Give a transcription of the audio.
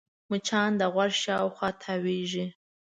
مچان د غوږ شاوخوا تاوېږي